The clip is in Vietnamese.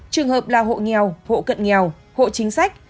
trường hợp là hộ nghèo hộ cận nghèo hộ chính sách